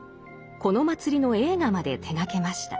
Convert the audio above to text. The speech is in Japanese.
この祭りの映画まで手がけました。